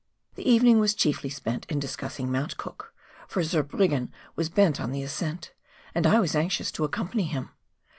The evening was chiefly spent in discussing Mount Cook, for Zurbriggen was bent on the ascent, and I was anxious to accompany him.